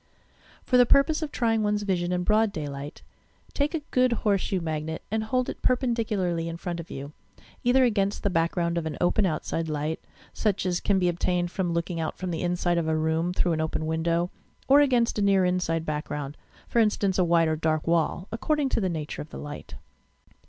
For the purpose of trying one's vision in broad day light, take a good horseshoe magnet and hold it per pendicularly in front of you, — either against the back ground of an open outside light, such as can be obtained from looking out from the inside of a room through an open window, or against a near inside background, — for instance a white or dark wall, according to the nature of the light.